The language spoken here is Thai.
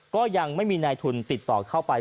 ก็ยังไม่มีนายทุนติดต่อเข้าไป